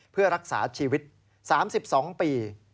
เพื่อรักษาชีวิต๓๒ปี